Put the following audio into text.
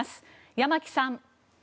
山木さん。